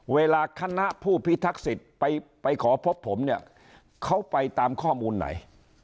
เวลาคณะผู้พิทักษิตไปขอพบผมเนี่ยเขาไปตามข้อมูลไหน